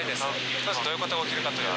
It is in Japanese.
まずどういうことが起きるかというと。